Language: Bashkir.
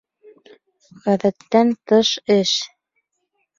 — Ғәҙәттән тыш эш.